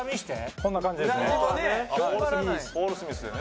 こんな感じですね。